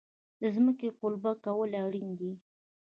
د ځمکې قلبه کول اړین دي.